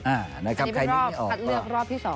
อันนี้เป็นรอบคัดเลือกรอบที่๒